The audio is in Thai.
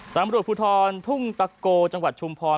ตำรวจภูทรทุ่งตะโกจังหวัดชุมพร